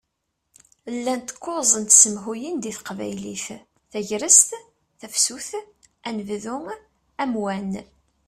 Llant kuẓ n tsemhuyin di teqbaylit: Tagrest, Tafsut, Anebdu, Amwan.